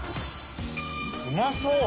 うまそう！